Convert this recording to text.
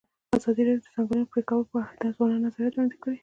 ازادي راډیو د د ځنګلونو پرېکول په اړه د ځوانانو نظریات وړاندې کړي.